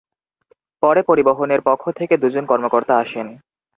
পরে পরিবহনের পক্ষ থেকে দুজন কর্মকর্তা আসেন।